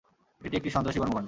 এটি একটি সন্ত্রাসী কর্মকাণ্ড।